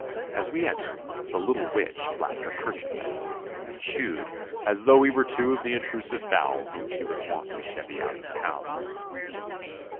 As we entered the little witch flapped her kerchief at us, and shooed as though we were two of the intrusive fowl whom she was wont to chevy out of the house.